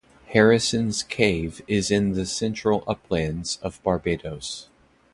Harrison's Cave is in the central uplands of Barbados.